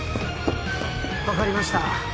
分かりました